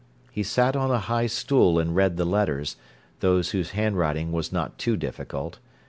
He sat on a high stool and read the letters—those whose handwriting was not too difficult.